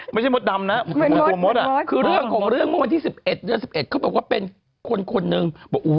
ไม่ใช่มดดำนะคือเรื่องของ๑๑เดือน๑๑เขาบอกว่าเป็นคนนึง